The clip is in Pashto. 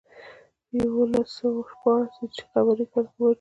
په یولس سوه شپاړس هجري قمري کې وژل شوی.